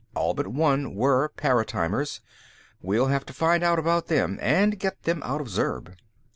All but one were paratimers. We'll have to find out about them, and get them out of Zurb."